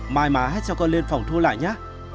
mai mà hát cho con lên phòng thu lại nhé